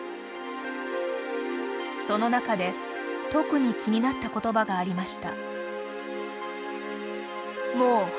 その中で特に気になった言葉がありました。